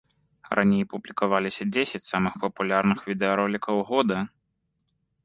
Раней публікаваліся дзесяць самых папулярных відэаролікаў года.